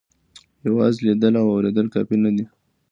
یوازې لیدل او اورېدل کافي نه دي.